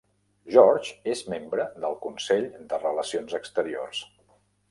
George és membre del Consell de Relacions Exteriors.